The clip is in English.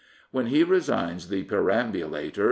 When he resigns the perambulator.